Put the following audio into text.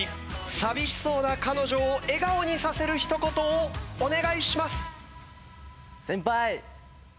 寂しそうな彼女を笑顔にさせる一言をお願いします。